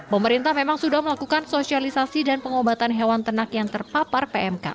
pemerintah memang sudah melakukan sosialisasi dan pengobatan hewan ternak yang terpapar pmk